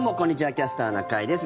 「キャスターな会」です。